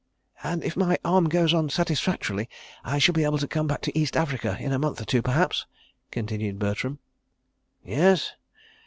"And if my arm goes on satisfactorily I shall be able to come back to East Africa in a month or two perhaps?" continued Bertram. "Yes.